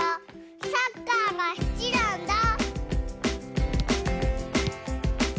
サッカーが好きなんだ！